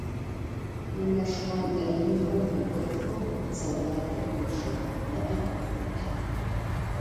Ынэ шхъонтӏэ инхэр къикӏотхэу солдатыр губжыгъэ, ыӏэ къыпхъотагъ.